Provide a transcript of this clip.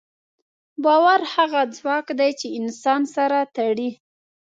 باور هغه ځواک دی، چې انسانان سره تړي.